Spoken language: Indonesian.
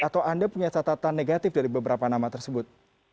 atau anda punya catatan negatif dari beberapa nama tersebut